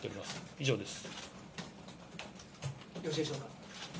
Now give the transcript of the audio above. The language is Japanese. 以上です。